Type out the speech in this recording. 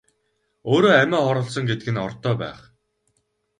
Өөрөө амиа хорлосон гэдэг нь ортой байх.